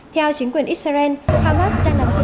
theo chính quyền israel hamas đang đảm dự